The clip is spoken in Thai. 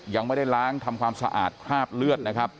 ยังไม่ได้ล้างทำความสะอาดคราบเลือดนะครับ